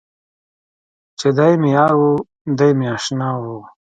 چې دی مې یار و، دی مې اشنا و.